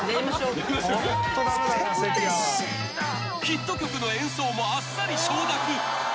［ヒット曲の演奏もあっさり承諾］